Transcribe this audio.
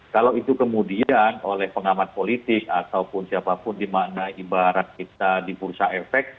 kalau itu kemudian oleh pengamat politik ataupun siapapun di mana ibarat kita di bursa efek